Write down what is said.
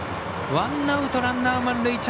ワンアウト、ランナー満塁。